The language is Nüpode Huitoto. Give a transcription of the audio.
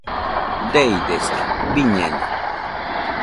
Deidesaa, biñeno